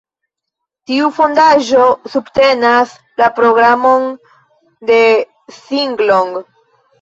Tiu fondaĵo subtenas la programon de Singlong.